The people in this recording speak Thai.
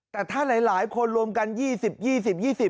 แต่ถ้าหลายคนรวมกัน๒๐๒๐